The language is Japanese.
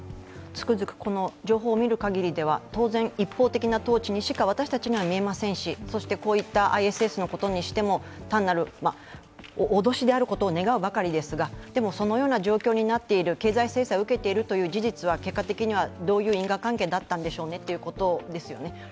つくづく情報を見る限りでは当然、一方的な統治にしか私たちには見えませんし、そしてこういったＩＳＳのことにしても、単なる脅しであることを願うばかりですがでも、そのような状況になっている経済制裁を受けているという事実は結果的にはどういう因果関係だったんでしょうねということですよね。